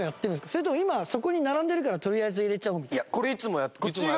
それとも今そこに並んでるからとりあえず入れちゃおうみたいな？